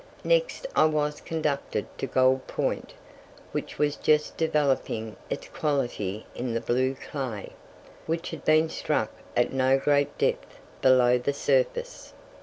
Next I was conducted to Gold Point, which was just developing its quality in the "blue clay," which had been struck at no great depth below the surface.